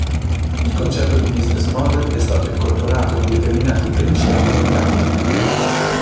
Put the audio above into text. Il concetto di business model è stato incorporato in determinati principi contabili.